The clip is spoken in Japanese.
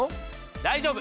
大丈夫！